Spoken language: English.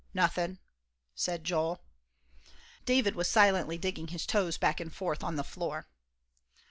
"Nothin'," said Joel. David was silently digging his toes back and forth on the floor.